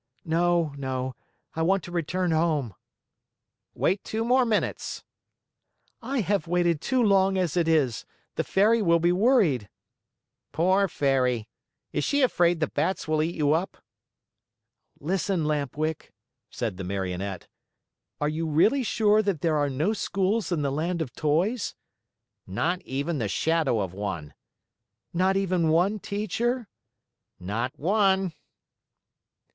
"No, no. I want to return home." "Wait two more minutes." "I have waited too long as it is. The Fairy will be worried." "Poor Fairy! Is she afraid the bats will eat you up?" "Listen, Lamp Wick," said the Marionette, "are you really sure that there are no schools in the Land of Toys?" "Not even the shadow of one." "Not even one teacher?" "Not one."